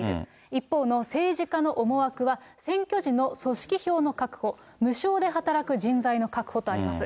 一方の政治家の思惑は、組織票の確保、無償で働く人材の確保とあります。